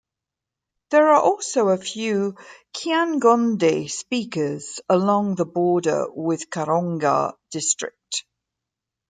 There are also a few Kyangonde speakers along the border with Karonga District.